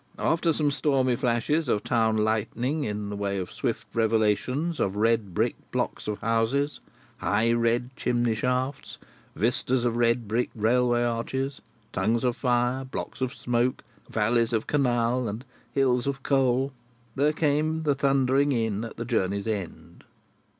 After some stormy flashes of town lightning, in the way of swift revelations of red brick blocks of houses, high red brick chimney shafts, vistas of red brick railway arches, tongues of fire, blots of smoke, valleys of canal, and hills of coal, there came the thundering in at the journey's end.